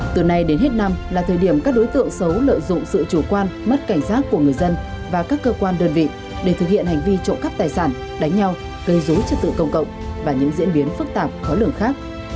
từ nay đến hết năm là thời điểm các đối tượng xấu lợi dụng sự chủ quan mất cảnh giác của người dân và các cơ quan đơn vị để thực hiện hành vi trộm cắp tài sản đánh nhau gây dối trật tự công cộng và những diễn biến phức tạp khó lường khác